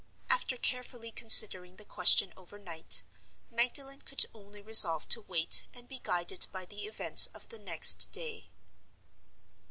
After carefully considering the question overnight, Magdalen could only resolve to wait and be guided by the events of the next day.